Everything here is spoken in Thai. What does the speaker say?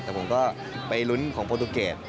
แต่ผมก็ไปลุ้นของโปรตูเกต